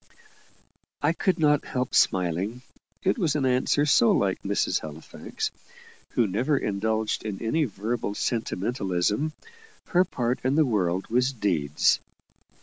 I could not help smiling it was an answer so like Mrs. Halifax, who never indulged in any verbal sentimentalism. Her part in the world was deeds.